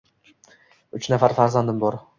Uch nafar farzandim bor.